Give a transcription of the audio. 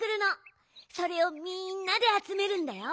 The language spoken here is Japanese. それをみんなであつめるんだよ。